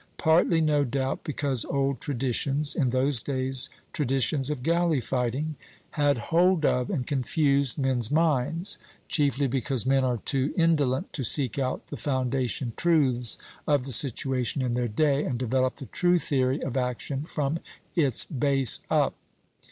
Partly, no doubt, because old traditions in those days traditions of galley fighting had hold of and confused men's minds; chiefly because men are too indolent to seek out the foundation truths of the situation in their day, and develop the true theory of action from its base up.